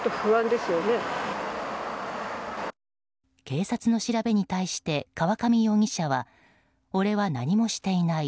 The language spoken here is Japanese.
警察の調べに対して河上容疑者は俺は何もしていない。